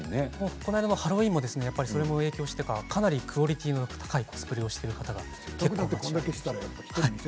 この間のハロウィーンもその影響もあってかかなりクオリティーの高いコスプレをしている方もいたということです。